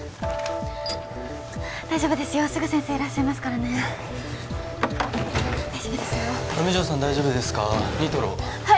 大丈夫ですよすぐ先生いらっしゃいますからね大丈夫ですよ上条さん大丈夫ですかニトロはい